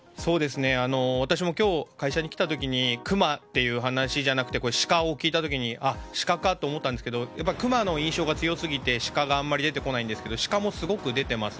私も今日、会社に来た時にクマっていう話じゃなくてシカを聞いた時にシカかと思ったんですがクマの印象が強くてシカがあまり出てこないんですけどシカもすごく出ています。